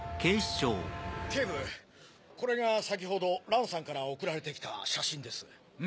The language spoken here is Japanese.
警部これが先程蘭さんから送られてきた写真です。